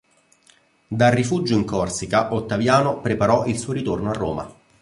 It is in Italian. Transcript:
Dal rifugio in Corsica Ottaviano preparò il suo ritorno a Roma.